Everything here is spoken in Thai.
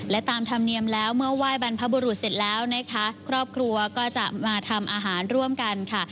และตามธรรมเนียมแล้วเมื่อไหว้บรรพบุรุษเสร็จแล้วนะคะครอบครัวก็จะมาทำอาหารร่วมกันค่ะ